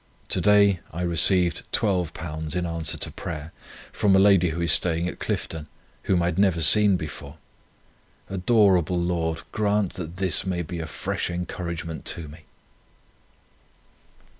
To day I received £12 in answer to prayer, from a lady who is staying at Clifton, whom I had never seen before. Adorable Lord, grant that this may be a fresh encouragement to me!"